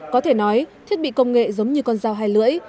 có thể nói thiết bị công nghệ giống như con dao hai lưỡi